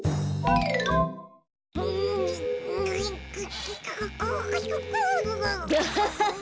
アハハハ！